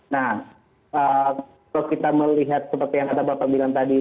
nah kalau kita melihat seperti yang kata bapak bilang tadi